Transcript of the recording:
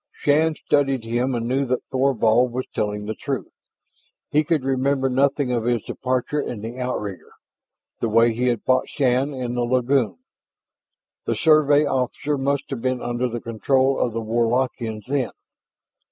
Shann studied him and knew that Thorvald was telling the truth. He could remember nothing of his departure in the outrigger, the way he had fought Shann in the lagoon. The Survey officer must have been under the control of the Warlockians then.